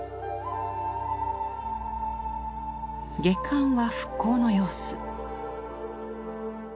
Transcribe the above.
下巻は復興の様子。